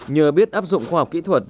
nhờ biết áp dụng khoa học kỹ thuật